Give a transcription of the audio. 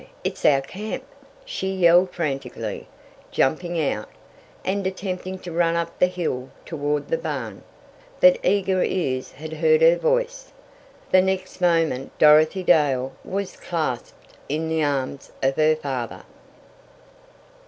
It is our camp!" she yelled frantically, jumping out, and attempting to run up the hill toward the barn. But eager ears had heard her voice. The next moment Dorothy Dale was clasped in the arms of her father.